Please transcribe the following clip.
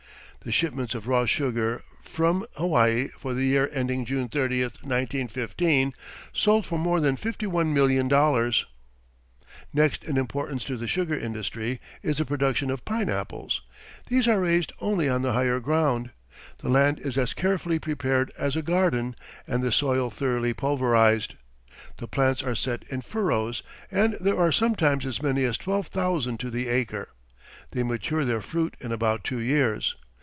The shipments of raw sugar from Hawaii for the year ending June 30, 1915, sold for more than $51,000,000. Next in importance to the sugar industry is the production of pineapples. These are raised only on the higher ground. The land is as carefully prepared as a garden, and the soil thoroughly pulverized. The plants are set in furrows, and there are sometimes as many as twelve thousand to the acre. They mature their fruit in about two years.